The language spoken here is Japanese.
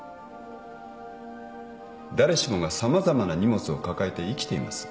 誰しもが様々な荷物を抱えて生きています。